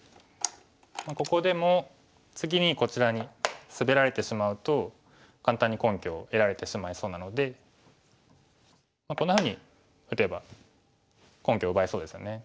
ここでも次にこちらにスベられてしまうと簡単に根拠を得られてしまいそうなのでこんなふうに打てば根拠を奪えそうですよね。